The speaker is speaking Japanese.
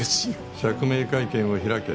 釈明会見を開け。